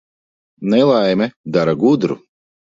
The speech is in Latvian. Nelaime dara gudru.